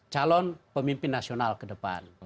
calon pemimpin nasional ke depan